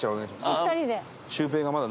２人で？